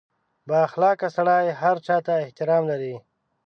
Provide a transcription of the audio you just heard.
• بااخلاقه سړی هر چا ته احترام لري.